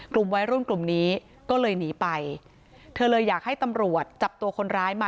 กลุ่มวัยรุ่นกลุ่มนี้ก็เลยหนีไปเธอเลยอยากให้ตำรวจจับตัวคนร้ายมา